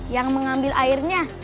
yang mengambil airnya